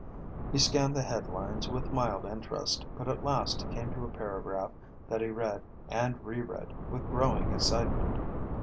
He scanned the headlines with mild interest, but at last he came to a paragraph that he read and reread with growing excitement.